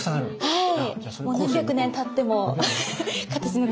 はい。